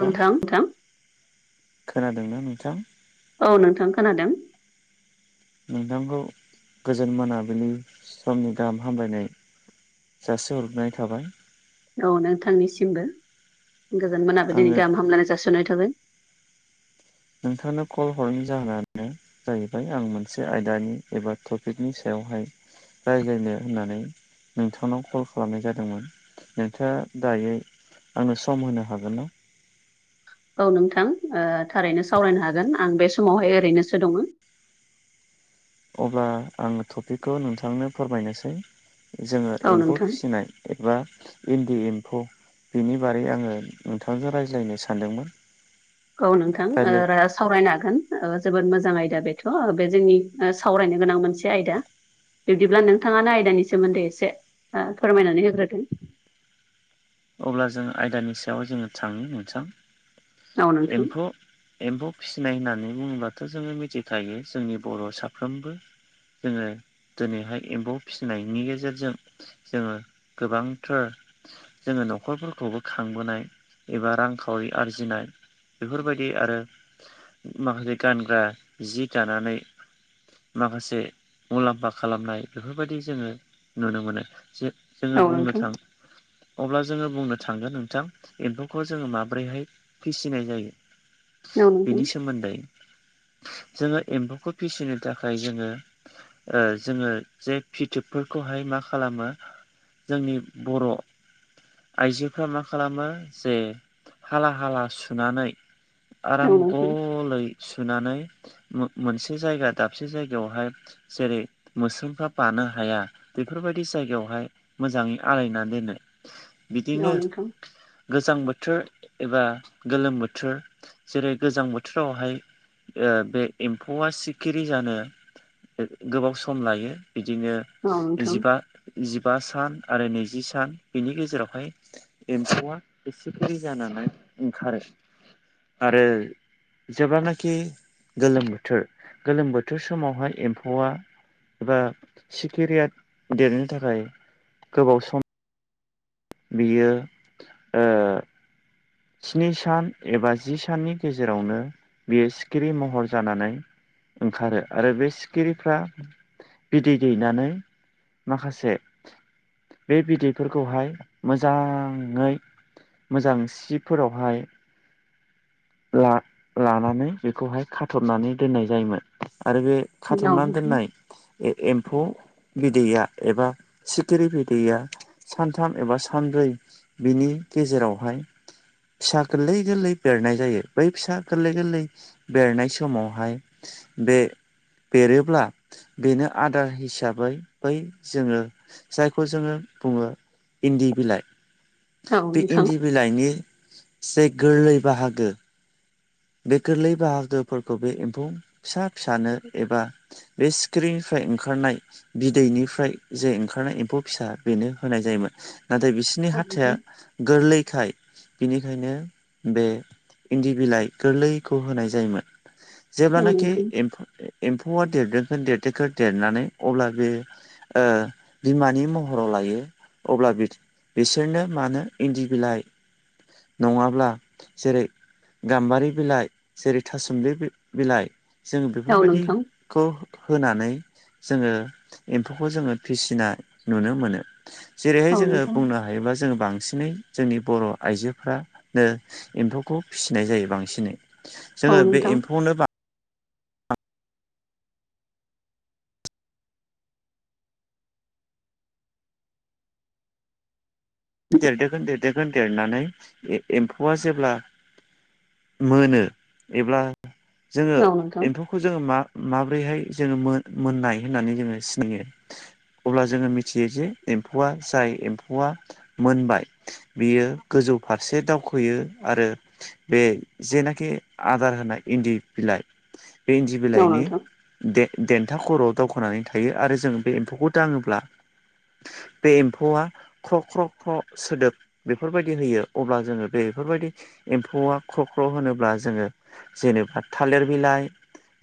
नोंथां नोंथां [unintelligible] खोनादों ना नोंथां औ नोंथां खोनादों नोंथांखौ गोजोन मोनाबिलि समनि गाहाम हामलायनाय जासिहरनाय थाबाय औ नोंथांनिसिमबो गोजोन मोनाबिलिनि आङो गाहाम हामलायनाय जासिहरनाय थाबाय नोंथांनो कल हरनायनि जाहोनानो जाहैबाय आं मोनसे आयदानि एबा टपिकनि सायावहाय रायज्लायनो होननानै नोंथांनाव कल खालामनाय जादोंमोन नोंथाङा दायो आंनो सम होनो हागोन ना? औ नोंथां थारैनो सावरायनो हागोन आं बे समावहाय ओरैनोसो दङ। अब्ला आं टपिकखौ नोंथांनो फोरमायनोसै जोङो औ एम्फौ नोंथां फिसिनाय एबा इन्दि एम्फौ बेनि बागै आङो नोंथांजों रायज्लायनो सानदोंमोन औ नोंथां रायज्लाय राज [unintelligible] सावरायनो हागोन जोबोद मोजां आयदा बेथ' बे जोंनि सावरायनो गोनां मोनसे आयदा बिदिब्ला नोंथाङानो आयदानि सोमोन्दै एसे फोरमायनानै होग्रोदों अब्ला जो आयदानि सायाव जोङो थाङो मोनथाम औ नोंथां एम्फौ एम्फौ फिसिनाय होननानै बुङोब्लाथ' जोङो मिथिखायो जोंनि बर' साफ्रोमबो जोङो दिनैहाय एम्फौ फिसिनायनि गेजेरजों जोङो गोबांथार जोङो न'खरफोरखौबो खांबोनाय एबा रांखावरि आरजिनाय बेफोरबायदि आरो माखासे गानग्रा जि दानानै माखासे मुलाम्फा खालामनाय बेफोरबायदि जोङो नुनो मोनो जे जोङो औ बुंनो नोंथां थां [unintelligible] अब्ला जोङो बुंनो थांगोन नोंथां एम्फौखौ जोङो माबोरैहाय फिसिनाय जायो औ नोंथां बेनि सोमोन्दै जोङो एम्फौखौ फिसिनो थाखाय जोङो जोङो जे फिथोबफोरखौहाय मा खालामो जोंनि बर' आइजोफ्रा मा खालामो जे हाला हाला सुनानै औ आराम नोंथां गलै सोनानै मोनसे जायगा दाबसे जायगायावहाय जेरै मोसरोमफ्रा बानो हाया बेफोरबायदि जायगायावहाय मोजाङै आलायनानै दोनो बिदिनो औ नोंथां गोजां बोथोर एबा गोलोम बोथोर जेरै गोजां बोथोरावहाय ओ बे एम्फौआ सिखिरि जानो गोबाव सम लायो बिदिनो औ नोंथां औ जिबा जिबा सान आरो नैजि सान बिनि गेजेरावहाय एम्फौआ सिखिरि जानानै ओंखारो आरो जेब्लानाखि गोलोम बोथोर गोलोम बोथोर समावहाय एम्फौआ एबा सिखिरिया देरनो थाखाय गोबाव सम बियो ओ स्नि सान एबा जि साननि गेजेरावनो बियो सिखिरि महर जानानै ओंखारो आरो बे सिखिरिफ्रा बिदै दैनानै माखासे बे बिदैफोरखौहाय मोजाङै मोजां सि फोरावहाय ला लानानै बेखौहाय खाथ'बनानै दोननाय जायोमोन आरो बे खाथ'बनानै नोंथां दोननाय ए एम्फौ बिदैया एबा सिखिरि बिदैया सानथाम एबा सानब्रै बिनि गेजेरावहाय फिसा गोललै गोललै बेरनाय जायो बै फिसा गोललै गोललै बेरनाय समावहाय बे बेरोब्ला बेनो आदार हिसाबै बै जोङो जायखौ जोङो बुङो इन्दि बिलाइ औ नोंथां औ बै नोंथां इन्दि बिलाइनि से गोरलै बाहागो बे गोरलै बाहागोफोरखौ बे एम्फौ फिसा फिसानो एबा बे सिखिरिनिफ्राय ओंखारनाय बिदैनिफ्राय जे ओंखारनाय एम्फौ फिसा बेनो होनाय जायोमोन नाथाय बिस बिसोरनि औ हाथाया गोरलैखाय बिनिखायनो बे इन्दि बिलाइ गोरलैखौ होनाय जायोमोन जेब्लानाखि नोंथां एम्फौ एम्फौआ देरदोखो देरदोखो देरनानै अब्ला बे ओ बिमानि महराव लायो अब्ला बि बिसोरनो मानो इन्दि बिलाइ नङाब्ला जेरै गामबारि बिलाइ जेरै थासुमलि बि बिलाइ जों औ बेफोरबायदि नोंथां खौ होनानै जोङो एमफौखौ जोङो फिसिनाय नुनो मोनो जेरैहाय औ जोङो नोंथां बुंनो हायोबा जोङो बांसिनै जोंनि बर' आइजोफ्रा नो एमफौखौ फिसिनाय जायो बांसिनै औ जोङो बे नोंथां एमफौनो देरदोखोन देरदोखोन देरनानै एमफौआ जेब्ला मोनो एब्ला जोङो औ नोंथां एमफौ खौ जोङो मा माब्रैहाय जोङो मोन मोननाय होननानै जोङो सिनायो अब्ला जोङो मिथियो जे एमफौआ जाय एमफौआ मोनबाय बियो गोजौ फारसे दावखोयो आरो बे जेनाखि आदार होनाय इनदि बिलाइ बे इनदि औ बिलाइनि नोंथां दे देनथा खर'आव दावखोनानै थायो आरो जों बे एमफौखौ दाङोब्ला बे एमफौआ ख्र' ख्र' ख सोदोब बेफोरबायदि होयो अब्ला जोङो बेफोरबायदि एमफौआ ख्र' ख्र' होनोब्ला जोङो जेनेबा थालिर बिलाइ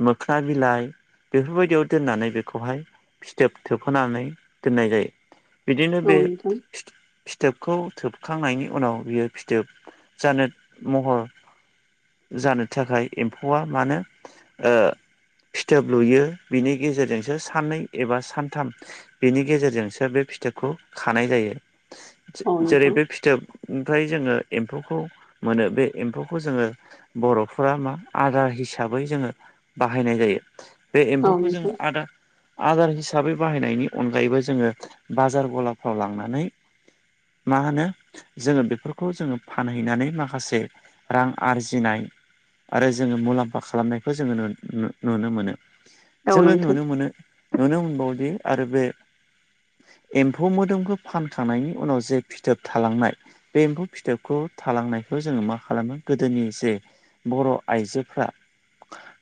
मोखोना बिलाइ बेफोरबायदियाव दोननानै बेखौहाय फिथोब थोबहोनानै दोननाय जायो बिदिनो औ बे नोंथां फिथोबखौ थोबखांनायनि उनाव बियो फिथोब जानो महर जानो थाखाय एमफौआ मानो ओ फिथोब लुयो बिनि गेजेरजोंसो साननै एबा सानथाम बेनि गेजेरजोंसो बे फिथोबखौ खानाय जायो औ जेरै नोंथां बे फिथोबनिफ्राय जोङो एमफौखौ मोनो बे एमफौखौ जोङो बर'फोरा मा आदार हिसाबै जोङो बाहायनाय जायो बे औ एमफौखौ नोंथां जोङो आदार आदार हिसाबै बाहायनायनि अनगायैबो जोङो बाजार गलाफ्राव लांनानै मा होनो जोङो बेफोरखौ जोङो फानहैनानै माखासे रां आरजिनाय आरो जोङो मुलामफा खालामनायखौ जोङो नुनो मोनो औ जोङो नोंथां नुनो मोनो नुनो मोनबावदि आरो बे एमफौ मोदोमखौ फान खांनायनि उनाव जे फिथोब थालांनाय बे एमफौ फिथोबखौ थालांनायखौ जोङो मा खालामो गोदोनि जे बर' आइजोफ्रा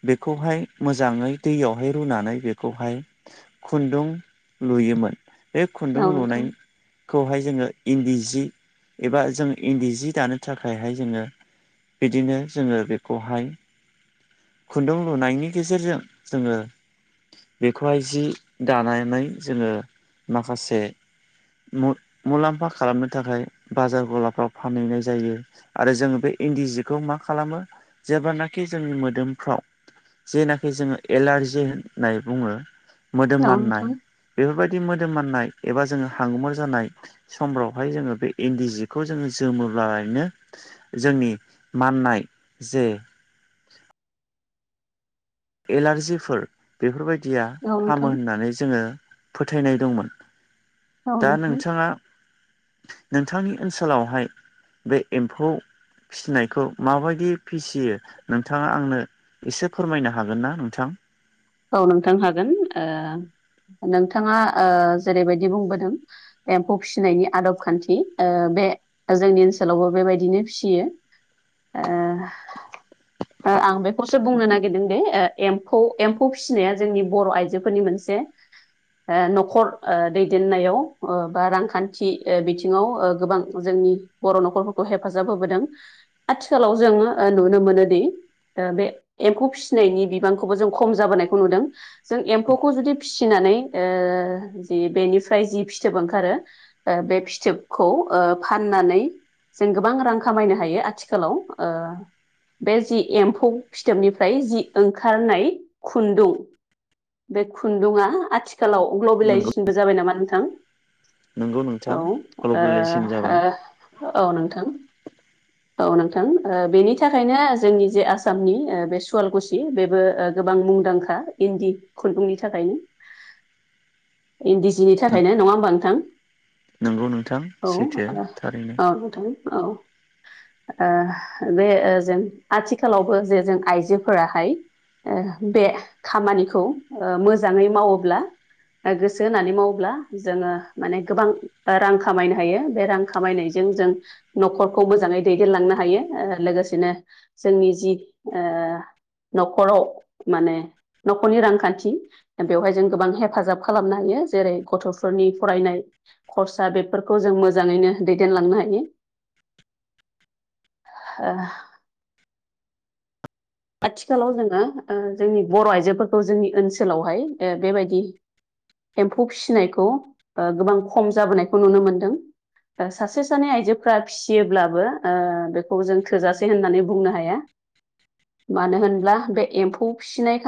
बेखौहाय मोजाङै दैयावहाय रुनानै बेखौहाय खुनदु लुयोमोन बे खुनदु औ नोंथां लुनाय खौहाय जोङो इनदि जि एबा जों इनदि जि दानो थाखायहाय जोङो बिदिनो जोङो बेखौहाय खुनदुं लुनायनि गेजेरजों जोङो बेखौहाय जि दानानै जोङो माखासे मुलामफा खालामनो थाखाय बाजार गलाफ्राव फानहैनाय जायो आरो जोङो बे इनदि जिखौ मा खालामो जेब्लानाखि जोंनि मोदोम फाव जेनाखि जोङो एलारजि होननाय बुङो औ मोदोमाननाय नोंथां बेफोरबायदि मोदोम माननाय एबा जोङो हांगुमुर जानाय समफ्रावहाय जोङो बे इनदि जिखौ जोङो जोमोब्लानो जोंनि माननाय जे एलार्जिफोर बेफोरबायदिया औ हामो नोंथां होननानै जोङो फोथायनाय दंमोन औ दा नोंथां नोंथाङा नोंथांनि ओनसोलावहाय बे एमफौ फिसिनायखौ माबायदि फिसियो नोंथाङा आंनो एसे फोरमायनो हागोन ना नोंथां औ नोंथां हागोन ओ नोंथाङा ओ जेरैबायदि बुंबोदों एमफौ फिसिनायनि आदब खानथि बे जोंनि ओनसोलावबो बेबायदिनो फियो ओ आं बेखौसो बुंनो नागिरदों दे एमम खौ फिसिनाया जोंनि बर' आइजोफोरनि मोनसे नखर दैदेननायाव बा रांखान्थि बिथिङाव गोबां जोंनि बर' नखरफोरखौ हेफाजाब होबोदों आथिखालाव जों नुनो मोनोदि बे एम्फौ फिसिनायनि बिबांखौबो जों खम जाबोनायखौ नुदों जों एम्फौखौ जुदि फिसिनानै जि बेनिफ्राय जि फिथबो ओंखारो ओ बे फिथोबखौ फाननानै जों गोबां रां खामायनो हायो आथिखालाव बे जि एम्फौ फिथोबनिफ्राय जि ओंखारनाय खुन्दुं बे खुन्दुङा आथिखालाव नंगौ ग्लबेलाइजेन सिनबो जाबाय नामा नोंथां नंगौ औ नोंथां ग्लबेलाइजेसन जाबाय औ नोंथां [inaudible] औ नोंथां बेनि थाखायनो जोंनि जे आसामनि बे सुवालगुसि बेबो गोबां मुंदांखा इन्दि खुन्दुंनि थाखायनो इन्दि जिनि थाखायनो नङा होमबा नोंथां नंगौ नोंथां औ सैथो थारैनो आ औ नोंथां औ ओ बे जों आथिखालावबो जे जों आइजोफोराहाय ओ बे खामानिखौ ओ मोजाङै मावोब्ला गोसो होनानै मावोब्ला जोङो माने गोबां रां खामायनो हायो बे रां खामायनायजों जों न'खरखौ मोजाङै दैदेनलांनो हायो लोगोसेनो जोंनि जि ओ न'खराव माने न'खरनि रांखान्थि बेवहाय जों गोबां हेफाजाब खालामनो हायो जेरै गथ'फोरनि फरायनाय खरसा बेफोरखौ जों मोजाङैनो दैदेनलांनो हायो [inaudible] ओ आथिखालाव जोङो जोंनि बर' आइजोफोरखौ जोंनि ओनसोलावहाय बेबायदि एम्फौ फिसिनायखौ गोबां खम जाबोनायखौ नुनो मोनदों सासे सानै आइजोफोरा फिसियोब्लाबो बेखौ जों थोजासे होननानै बुंनो हाया मानो होनब्ला बे एम्फौ फिसिनाय